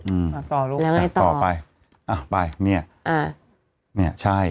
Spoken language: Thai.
อืมอ่าต่อลูกแล้วไงต่อต่อไปอ่ะไปเนี้ยอ่าเนี้ยใช่